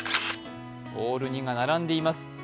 オール２が並んでいます。